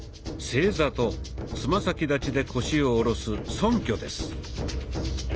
「正座」とつま先立ちで腰を下ろす「そんきょ」です。